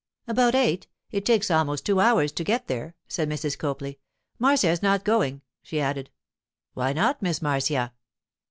'About eight; it takes almost two hours to get there,' said Mrs. Copley. 'Marcia is not going,' she added. 'Why not, Miss Marcia?